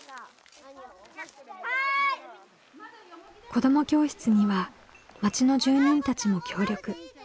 子ども教室には町の住人たちも協力。